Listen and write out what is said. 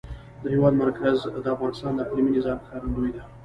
د هېواد مرکز د افغانستان د اقلیمي نظام ښکارندوی ده.